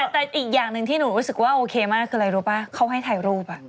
แต่อีกอย่างหนึ่งที่หนูรู้สึกว่าโอเคมากคืออะไรรู้ป่ะเขาให้ถ่ายรูป